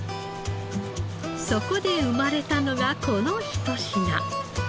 そこで生まれたのがこの一品。